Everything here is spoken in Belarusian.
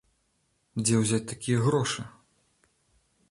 Дзе ўзяць такія грошы?